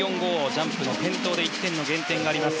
ジャンプの転倒で１点の減点があります。